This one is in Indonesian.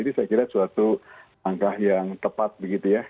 ini saya kira suatu langkah yang tepat begitu ya